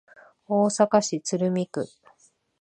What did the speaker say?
大阪市鶴見区